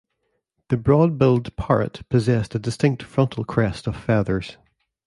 The broad-billed parrot possessed a distinct frontal crest of feathers.